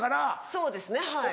そうですねはい。